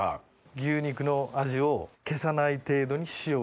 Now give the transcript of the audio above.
牛肉の味を消さない程度に塩を。